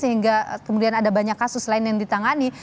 sehingga kemudian ada banyak kasus lain yang ditangani